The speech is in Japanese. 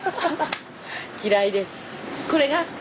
嫌いです。